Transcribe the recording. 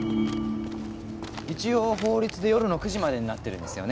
一応法律で夜の９時までになってるんですよね